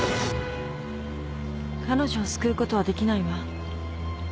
彼女を救うことはできないわ。